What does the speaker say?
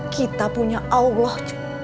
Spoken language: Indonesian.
kita punya allah